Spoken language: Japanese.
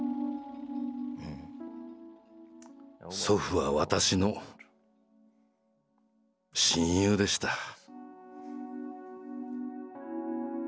祖父は私の親友でした。